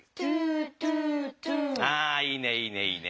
ああいいねいいねいいね。